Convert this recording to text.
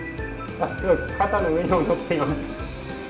肩の上にも乗っています。